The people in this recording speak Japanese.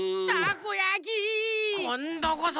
こんどこそ！